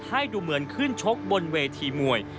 ให้ดูเหมือนขึ้นชกบนเวทีมวย